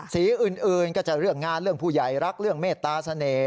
สีอื่นก็จะเรื่องงานเรื่องผู้ใหญ่รักเรื่องเมตตาเสน่ห